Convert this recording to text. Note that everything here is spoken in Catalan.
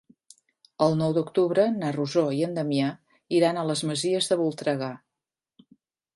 El nou d'octubre na Rosó i en Damià iran a les Masies de Voltregà.